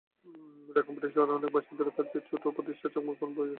রাঙামাটি শহরের অনেক বাসিন্দার কাছেও ছোট্ট প্রতিষ্ঠা চাকমা এখন পরিচিত নাম।